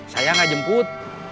saya nggak jemput